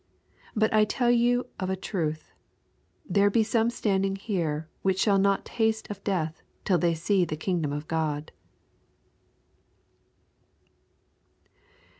27 But I tell you of a truth, there be some standing here, which shall not taste of death, till they see the kingdom of God.